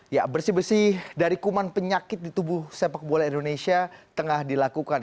ya bersih bersih dari kuman penyakit di tubuh sepak bola indonesia tengah dilakukan